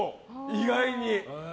意外に。